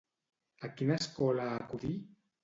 A quina escola acudí?